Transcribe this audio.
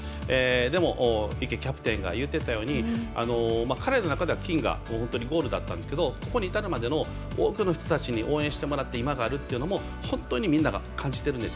でも池キャプテンが言っていたように彼の中では金がゴールだったんですがここにいたるまでに多くの人に応援してもらって今があるというのも本当にみんな感じていて。